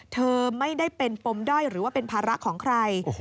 เธอไม่ได้เป็นปมด้อยหรือว่าเป็นภาระของใคร